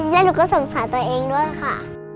หนูก็สงสารตัวเองด้วยค่ะ